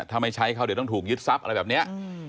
ถ้าไม่ใช้เขาเดี๋ยวต้องถูกยึดทรัพย์อะไรแบบนี้